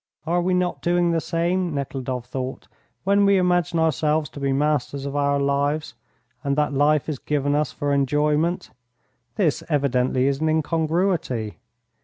"Are we not doing the same," Nekhludoff thought, "when we imagine ourselves to be masters of our lives, and that life is given us for enjoyment? This evidently is an incongruity.